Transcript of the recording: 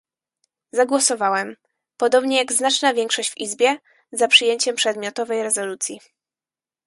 Zagłosowałem, podobnie jak znaczna większość w Izbie, za przyjęciem przedmiotowej rezolucji